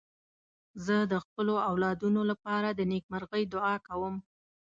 زه د خپلو اولادونو لپاره د نېکمرغۍ دعا کوم.